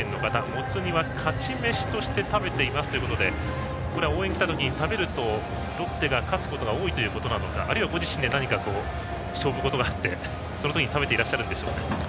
もつ煮は勝ち飯として食べています！ということでこれは応援に来たときに食べるとロッテが勝つことが多いということなのかあるいはご自身で勝負ごとがあってそのときに食べていらっしゃるんでしょうか。